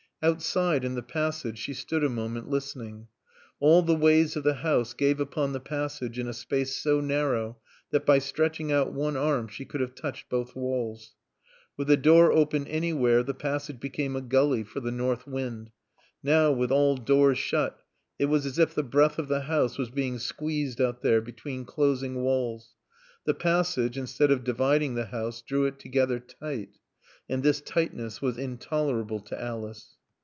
Outside in the passage she stood a moment, listening. All the ways of the house gave upon the passage in a space so narrow that by stretching out one arm she could have touched both walls. With a door open anywhere the passage became a gully for the north wind. Now, with all doors shut, it was as if the breath of the house was being squeezed out there, between closing walls. The passage, instead of dividing the house, drew it together tight. And this tightness was intolerable to Alice.